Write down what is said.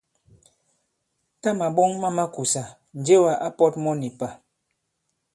Tâ màɓɔŋ ma makùsà, Njewà ǎ pɔ̄t mɔ nì pà.